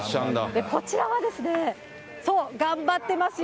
こちらはですね、そう、頑張ってますよ。